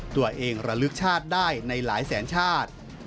ตัวเองระลึกชาติได้ในหลายแสนชาติ